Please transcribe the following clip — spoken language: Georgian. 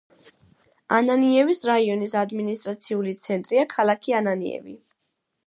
ანანიევის რაიონის ადმინისტრაციული ცენტრია ქალაქი ანანიევი.